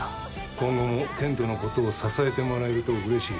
今後も健人のことを支えてもらえるとうれしい。